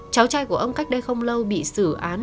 cháu trai của ông cách đây không lâu bị xử án